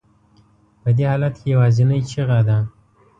په دې حالت کې یوازینۍ چیغه ده.